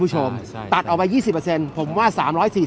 ผู้ชมตัดเอาไว้ยี่สิบเพอร์เซนผมว่าสามร้อยสี่กมี